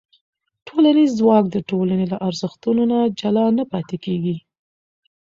ټولنیز ځواک د ټولنې له ارزښتونو نه جلا نه پاتې کېږي.